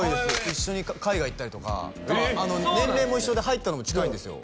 一緒に海外行ったりとか年齢も一緒で入ったのも近いんですよ